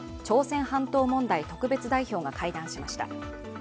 朝鮮半島問題特別代表が会談しました。